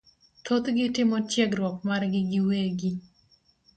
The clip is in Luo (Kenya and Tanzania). Thothgi timo tiegruok margi giwegi